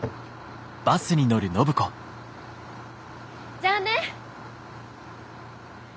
じゃあね！